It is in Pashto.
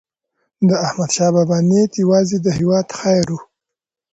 داحمدشاه بابا نیت یوازې د هیواد خیر و.